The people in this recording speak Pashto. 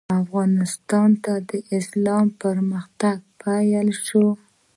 افغانستان ته د اسلام پرمختګ پیل شو.